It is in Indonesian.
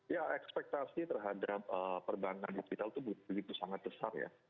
ya ekspektasi terhadap perbankan digital itu begitu sangat besar ya